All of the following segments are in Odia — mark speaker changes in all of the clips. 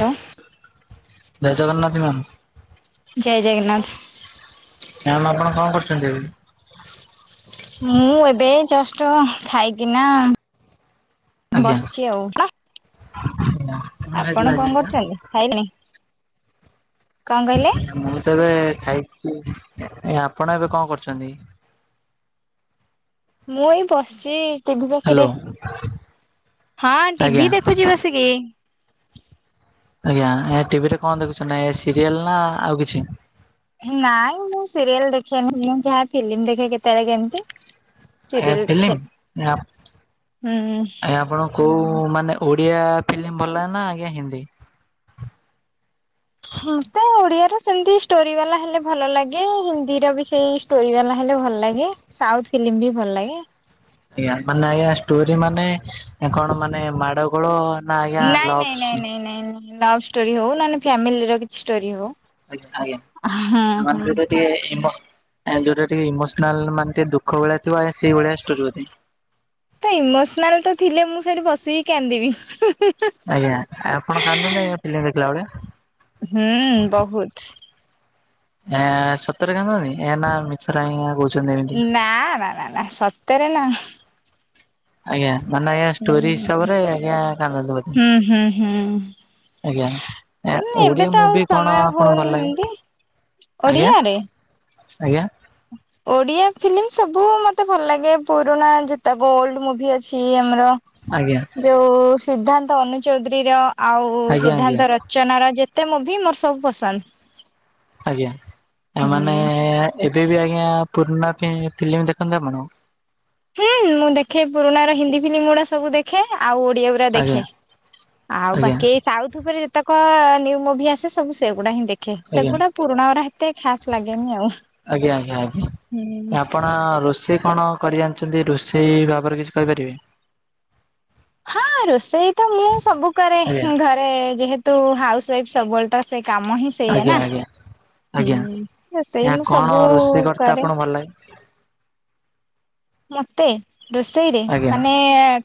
Speaker 1: ହ୍ୟାଲୋ।
Speaker 2: ଜୟ ଜଗନ୍ନାଥ ମ୍ୟାମ୍।
Speaker 1: ଜୟ ଜଗନ୍ନାଥ।
Speaker 2: ମ୍ୟାମ୍ ଆପଣ କଣ କରୁଛନ୍ତି ଏବେ କି?
Speaker 1: ମୁଁ ଏବେ ଜଷ୍ଟ ଖାଇକିନା
Speaker 2: ଆଜ୍ଞା,
Speaker 1: ବସିଛି ଆଉ
Speaker 2: ଆଜ୍ଞା। କଣ ଖାଇଥିଲେ
Speaker 1: ଆପଣ
Speaker 2: ଆଜି
Speaker 1: କଣ କରୁଛନ୍ତି, ଖାଇଲେଣି? କଣ କହିଲେ
Speaker 2: [inaudible] ମୁଁ ତ ଏବେ ଖାଇଚି। ଏ ଆପଣ ଏବେ କଣ କରୁଛନ୍ତି?
Speaker 1: ମୁଁ ଏଇ ବସିଚି। ଟିଭି ପାଖରେ,
Speaker 2: ହ୍ୟାଲୋ
Speaker 1: ହଁ
Speaker 2: ଆଜ୍ଞା
Speaker 1: ଟିଭି ଦେଖୁଚି ବସିକି।
Speaker 2: ଆଜ୍ଞା ଏ ଟିଭି ରେ କଣ ଦେଖୁଛନ୍ତି ନା ଏ ସିରିଏଲ ନା ଆଉ କିଛି?
Speaker 1: ନାଇଁ ମୁଁ ସିରିଏଲ ଦେଖେନି ମୁଁ ଯାହା ଫିଲ୍ମ ଦେଖେ କେତେବେଳେ କେମତି।
Speaker 2: ଆଜ୍ଞା ଫିଲ୍ମ ନା ଆଜ୍ଞା ଆପଣ କୋଉ ମାନେ ଓଡ଼ିଆ ଫିଲ୍ମ ଭଲ ଲାଗେ ନା ଆଜ୍ଞା ହିନ୍ଦୀ?
Speaker 1: ମୋତେ ଓଡିଆରେ ସେମତି ଷ୍ଟୋରି ବାଲା ହେଲେ ଭଲ ଲାଗେ। ହିନ୍ଦୀର ବି ସେଇ ଷ୍ଟୋରି ବାଲା ହେଲେ ଭଲ ଲାଗେ। ସାଉଥ ଫିଲ୍ମ ବି ଭଲ ଲାଗେ।
Speaker 2: ଆଜ୍ଞା ମାନେ ଆଜ୍ଞା ଷ୍ଟୋରି ମାନେ ଏ କଣ ମାନେ ମାଡ ଗୋଳ
Speaker 1: ନାଇଁ, ନାଇଁ, ନାଇଁ, ନାଇଁ, ନାଇଁ, ନାଇଁ ଲଭ୍ ଷ୍ଟୋରି ହଉ ନନେ ଫ୍ୟାମିଲି ର କିଛି ଷ୍ଟୋରି ହଉ।
Speaker 2: ଆଜ୍ଞା ଆଜ୍ଞା
Speaker 1: ହଁ,
Speaker 2: ମାନେ
Speaker 1: ହଁ।
Speaker 2: ଯୋଉଟା ଟିକେ ଇମ୍ବୋ ଏଁ, ଯୋଉଟା ଟିକେ ଇମୋସନାଲ ମାନେ ଟିକେ ଦୁଃଖ ଭଳିଆ ଥିବ ଆଜ୍ଞା ସେଇ ଭଳିଆ ଷ୍ଟୋରି ବୋଧେ।
Speaker 1: ତ ଇମୋସନାଲ୍ ତ ଥିଲେ ମୁଁ ସେଇଠି ବସିକି କାନ୍ଦିବି।
Speaker 2: ଆଜ୍ଞା ଆପଣ କାନ୍ଦନ୍ତି ଆଜ୍ଞା ଫିଲ୍ମ ଦେଖିଲା ବେଳେ?
Speaker 1: ହୁଁ ବହୁତ।
Speaker 2: ଏ ସତରେ କାନ୍ଦୁନ୍ତି? ଏ ନା ମିଛରେ ଆଜ୍ଞା କହୁ
Speaker 1: ନା, ନା, ନା, ନା ସତରେ ନା।
Speaker 2: ଆଜ୍ଞା ମାନେ ଆଜ୍ଞା ଷ୍ଟୋରି
Speaker 1: [unintelligible] ଆଜ୍ଞା ହୁଁ,
Speaker 2: ହିସାବରେ ଆଜ୍ଞା କାନ୍ଦନ୍ତି ବୋଧେ
Speaker 1: ହୁଁ, ହୁଁ।
Speaker 2: ଆଜ୍ଞା। ଏ
Speaker 1: ହୁଁ
Speaker 2: ଓଡିଆ
Speaker 1: ଏବେ ତ
Speaker 2: ମୁଭି
Speaker 1: ଆଉ
Speaker 2: କଣ
Speaker 1: ସମୟ
Speaker 2: ଆପଣଙ୍କୁ ଭଲ
Speaker 1: ହଉନି
Speaker 2: ଲାଗେ
Speaker 1: ହେମତି।
Speaker 2: ଆଜ୍ଞା
Speaker 1: ଓଡିଆରେ
Speaker 2: ଆଜ୍ଞା।
Speaker 1: ଓଡିଆ ଫିଲ୍ମ ସବୁ ମୋତେ ଭଲ ଲାଗେ ପୁରୁଣା ଯେତକ ଓଲଡ୍ ମୁଭି ଅଛି ଆମର।
Speaker 2: ଆଜ୍ଞା।
Speaker 1: ଯୋଉ ସିଦ୍ଧାନ୍ତ ଅନୁଚୌଧୁରୀ ର, ଆଉ
Speaker 2: ଆଜ୍ଞା ଆଜ୍ଞା
Speaker 1: ସିଦ୍ଧାନ୍ତ ର ଚନାର ଯେତେ ମୁଭି ମୋର ସବୁ ପସନ୍ଦ।
Speaker 2: ଆଜ୍ଞା ଆ, ମାନେ
Speaker 1: ହୁଁ
Speaker 2: ଏବେ ବି ଆଜ୍ଞା ପୁରୁଣା ଫି-ଫିଲ୍ମ ଦେଖନ୍ତି ଆପଣ?
Speaker 1: ହୁଁ, ହୁଁ, ମୁଁ ଦେଖେ ପୁରୁଣା ର ହିନ୍ଦୀ ଫିଲ୍ମ ଗୁଡା ସବୁ ଦେଖେ। ଆଉ ଓଡିଆ [unintelligible] ର
Speaker 2: ଆଜ୍ଞା
Speaker 1: ଦେଖେ ଆଉ
Speaker 2: ଆଜ୍ଞା
Speaker 1: ବାକି ଏଇ ସାଉଥ ଉପରେ ଯେ ତକ ନ୍ୟୁ ମୁଭି ଆସେ ସବୁ ସେଗୁଡା ହିଁ ଦେଖେ।
Speaker 2: ଆଜ୍ଞା ଆଜ୍ଞା
Speaker 1: ସେଗୁଡା ପୁରୁଣା ଉରା ହେତେ ଖାସ୍ ଲାଗେନି ଆଉ।
Speaker 2: ଆଜ୍ଞା, ଆଜ୍ଞା, ଆଜ୍ଞା
Speaker 1: ହୁଁ।
Speaker 2: ଏ ଆପଣ ରୋଷେଇ କଣ କରି ଜାଣିଚନ୍ତି। ରୋଷେଇ ଭାବରେ କିଛି କହିପାରିବେ?
Speaker 1: ହଁ ରୋଷେଇ ତ ମୁଁ ସବୁ କରେ
Speaker 2: ଆଜ୍ଞା
Speaker 1: ଘର ଏ ଯେହେତୁ ହାଉସ୍ ୱାଇଫ୍ ସବୁବେଳେ ତ ସେ କାମ ହିଁ ସେଇଆ
Speaker 2: ଆଜ୍ଞା
Speaker 1: ନା।
Speaker 2: ଆଜ୍ଞା
Speaker 1: ହୁଁ
Speaker 2: ଆଜ୍ଞା।
Speaker 1: ରୋଷେଇ
Speaker 2: ଏହା
Speaker 1: ମୁଁ
Speaker 2: କଣ
Speaker 1: ସବୁ
Speaker 2: ରୋଷେଇ କରିତେ
Speaker 1: କରେ।
Speaker 2: ଆପଣଙ୍କୁ ଭଲ ଲାଗେ?
Speaker 1: ମୋତେ ରୋଷେଇରେ
Speaker 2: ଆଜ୍ଞା
Speaker 1: ମାନେ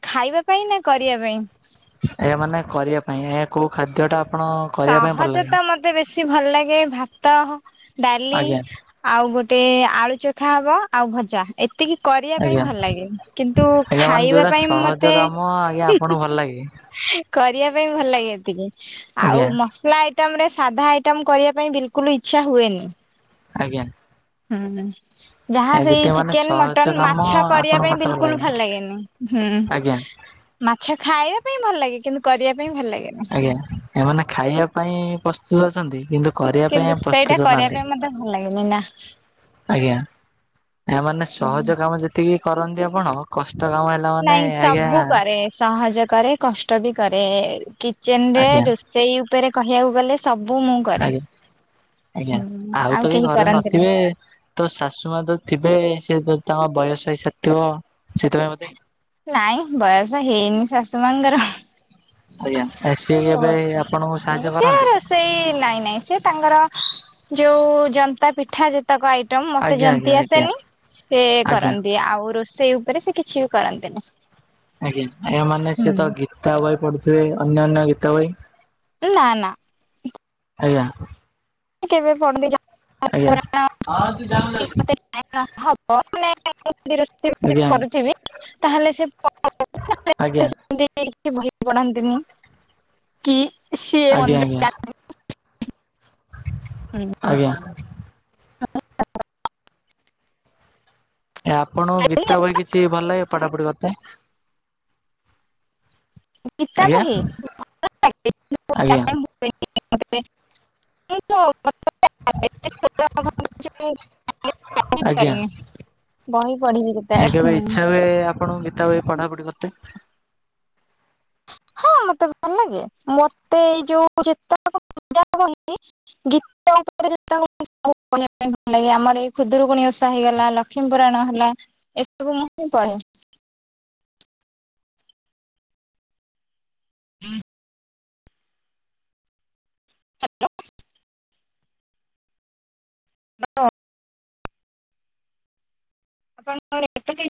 Speaker 1: ଖାଇବା ପାଇଁ ନା କରିବା ପାଇଁ?
Speaker 2: ଏ ମାନେ କରିବା ପାଇଁ ଏ କୋଉ ଖାଦ୍ୟ ଟା ଆପଣ କରିବା ପାଇଁ ଭଲ
Speaker 1: ସହଜ
Speaker 2: ଲାଗେ?
Speaker 1: ତ ମୋତେ ବେଶୀ ଭଲ ଲାଗେ ଭାତ ହ ଡାଲି
Speaker 2: ଆଜ୍ଞା
Speaker 1: ଆଉ ଗୋଟେ ଆଳୁ ଚଖା ହବ ଆଉ ଭଜା ଏ ଏତିକି କରିବା ପାଇଁ
Speaker 2: ଆଜ୍ଞା
Speaker 1: ଭଲ ଲାଗେ। କିନ୍ତୁ
Speaker 2: ଆଜ୍ଞା ମାନେ
Speaker 1: ଖାଇବା
Speaker 2: ଯୋଉଟା
Speaker 1: ପାଇଁ
Speaker 2: ସହଜ
Speaker 1: ମୋତେ
Speaker 2: କାମ ଆଜ୍ଞା ଆପଣଙ୍କୁ ଭଲ ଲାଗେ?
Speaker 1: କରିବା ପାଇଁ ଭଲ ଲାଗେ ଏତିକି
Speaker 2: ଆଜ୍ଞା
Speaker 1: ଆଉ ମସଲା ତ ଆମର ଏ ସାଧା ଆଇଟମ୍ କରିବା ପାଇଁ ବିଲକୁଲ ଇଚ୍ଛା ହୁଏନି।
Speaker 2: ଆଜ୍ଞା।
Speaker 1: ହଁ। ଯାହା
Speaker 2: ଦ୍ଵିତୀୟ
Speaker 1: ସେଇ
Speaker 2: ମାନେ
Speaker 1: ଚିକେନ୍,
Speaker 2: ସହଜ
Speaker 1: ମଟନ୍
Speaker 2: କାମ
Speaker 1: ମାଛ କରିବା
Speaker 2: ଆପଣଙ୍କୁ
Speaker 1: ପାଇଁ
Speaker 2: କରିତେ
Speaker 1: ବିଲକୁଲ
Speaker 2: ଲାଗେ?
Speaker 1: ଭଲ ଲାଗେନି। ହୁଁ,
Speaker 2: ଆଜ୍ଞା
Speaker 1: ମାଛ ଖାଇବା ପାଇଁ ଭଲ ଲାଗେ କିନ୍ତୁ କରିବା ପାଇଁ ଭଲ ଲାଗେ
Speaker 2: ଆଜ୍ଞା ଏମାନେ ଖାଇବା ପାଇଁ ପ୍ରସ୍ତୁତ ଅଛନ୍ତି କିନ୍ତୁ କରିବା ପାଇଁ
Speaker 1: କିନ୍ତୁ ସେଇଟା
Speaker 2: ପ୍ରସ୍ତୁତ
Speaker 1: କରିବା
Speaker 2: ନାହାନ୍ତି
Speaker 1: ପାଇଁ ମତେ ଭଲ ଲାଗେନି ନା
Speaker 2: ଆଜ୍ଞା ଏମାନୋନେ ସହଜ କାମ ଯେତିକି କରନ୍ତି ଆପଣ କଷ୍ଟ କାମ ହେଲେ
Speaker 1: ନାଇଁ ସବୁ କରେ ସହଜ କରେ କଷ୍ଟ ବି କରେ କିଚେନ ରେ
Speaker 2: ଆଜ୍ଞା
Speaker 1: ର ସେଇ ଉପରେ କହିବାକୁ ଗଲେ ସବୁ ମୁଁ କରେ।
Speaker 2: ଆଜ୍ଞା ଆଜ୍ଞା
Speaker 1: ହୁଁ
Speaker 2: ଆଉ ତ କେ
Speaker 1: କେହି
Speaker 2: ଘରେ
Speaker 1: କରନ୍ତିନି
Speaker 2: ନଥିବେ। ତ ଶାଶୁ ମା ଯୋଉ ଥିବେ ସେୋ ତାଙ୍କ ବୟସ ହେଇସାରିଥିବ ସେଥିପାଇଁ ମତେ
Speaker 1: ନାାଇଁ ବରସ ହେଇନି ସସୁ ମଙ୍ଗର
Speaker 2: ଆଜ୍ଞା ସିଏ କେବେ ଆପଣଙ୍କୁ ସାହାଯ୍ୟ
Speaker 1: ଛି
Speaker 2: କରନ୍ତି?
Speaker 1: ରୋଷେଇ ନାଇଁ ନାଇଁ। ସେ ତାଙ୍କର ଯୋଉ ଜନ୍ତା ପିଠା ଯେ ପତକ ଆଇଟମ୍ ମତେ
Speaker 2: ଆଜ୍ଞା ଆଜ୍ଞା
Speaker 1: ଯନ୍ତି
Speaker 2: ଆଜ୍ଞା
Speaker 1: ଆସେନି ସେ
Speaker 2: ଆଜ୍ଞା
Speaker 1: କରନ୍ତି ଆଉ ରୋଷେଇ ଉପରେ ସେ କିଛି ବି କରନ୍ତି। [unintelligible]
Speaker 2: ଆଜ୍ଞା ଏମାନେ ସଏ ତ
Speaker 1: ହୁଁ
Speaker 2: ଗୀତା ବହି ପଢୁଥିବେ ଅନ୍ୟ ଅନ୍ୟ ଗୀତ ବହି
Speaker 1: ନା ନା।
Speaker 2: ଆଜ୍ଞା।
Speaker 1: କେବେ ପି
Speaker 2: ଆଜ୍ଞା ହଁ ତୁ ଜାଣିଛୁ?
Speaker 1: ଆ ରୋଷେଇ
Speaker 2: ଆଜ୍ଞା
Speaker 1: କରୁଥିବେ ତାହେଲେ ସେ
Speaker 2: ଆଜ୍ଞା
Speaker 1: କିଛି ବହି ପଢନ୍ତିନି କି ସିଏ
Speaker 2: ଆଜ୍ଞା
Speaker 1: ମନ୍ଦିର ଯାଆନ୍ତି। ହୁଁ।
Speaker 2: ଆଜ୍ଞା ଏ ଆପଣଙ୍କୁ ଗୀତ ବହି କିଛି ଭଲେ ପଢାପୁଢି କରିତେ। ଆଜ୍ଞା।
Speaker 1: ବହି
Speaker 2: ଆଜ୍ଞା
Speaker 1: [unintelligible] କରୁନି। ବହି ପଢିବେ।
Speaker 2: ଏ କେବେ ଇଚ୍ଛା ହୁଏ ଆପଣଙ୍କୁ ଗୀତା ହୁଏ ପଢାପଢି କରିତେ।
Speaker 1: ହଁ ମତେ ଭଲ ଲାଗେ ମତେ ଏଇ ଯୋଉ ଯେତ ପୂଜା ଲ ଲେ ଆମର ଏଇ ଖୁଦୁରୁକୁଣି ଓଷା ହେଇଗଲା ଲକ୍ଷ୍ମୀପୁରାଣ ହେଲା। ଏସବୁ ମୁ ପଢ଼େ। ହୁଁ। ହାଲୋ। ହାଲୋ। ଆପଣ ଏ